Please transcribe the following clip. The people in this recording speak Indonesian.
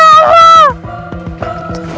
aku bencin diri aku